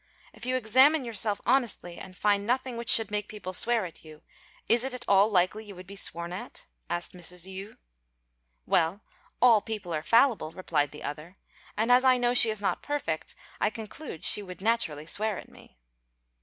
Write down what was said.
"If you examine yourself honestly and find nothing which should make people swear at you, is it at all likely you would be sworn at?" asked Mrs. Yü. "Well, all people are fallible," replied the other, "and as I know she is not perfect, I conclude she would naturally swear at me."